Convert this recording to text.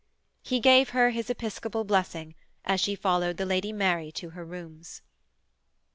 He gave her his episcopal blessing as she followed the Lady Mary to her rooms.